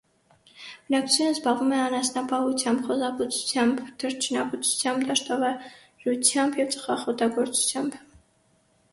Բնակչությունը զբաղվում է անասնապահությամբ, խոզաբուծությամբ, թռչնաբուծությամբ, դաշտավարությամբ և ծխախոտագործությամբ։